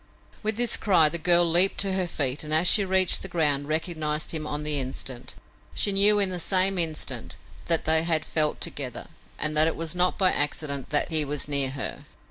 With his cry, the girl leaped to her feet, and as he reached the ground, recognized him on the instant. She knew in the same instant that they had felt together and that it was not by accident that he was near her.